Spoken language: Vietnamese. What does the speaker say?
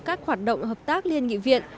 các hoạt động hợp tác liên nghị viện